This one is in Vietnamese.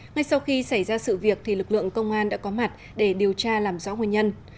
ngay sau khi xảy ra sự việc lực lượng công an đã có mặt để điều tra làm rõ nguyên nhân